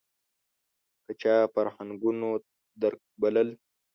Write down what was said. که چا فرهنګونو درک بلل